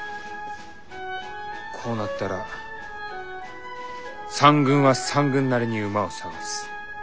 こうなったら三軍は三軍なりに馬を探す。